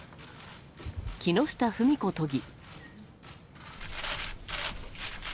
木下富美子都議。